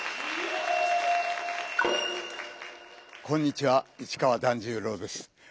こんにちは市川團十郎です。